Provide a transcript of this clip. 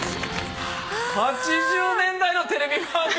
８０年代のテレビ番組。